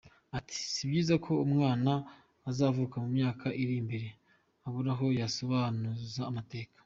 Ati “Si byiza ko umwana uzavuka mu myaka iri imbere abura aho yasobanuza amateka.